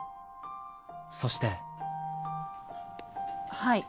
［そして］はい。